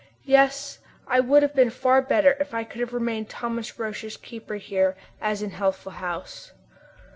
Yes, it would have been far better if I could have remained Thomas Roch's keeper here, as in Healthful House.